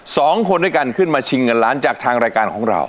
สองคนด้วยกันขึ้นมาชิงเงินล้านจากทางรายการของเรา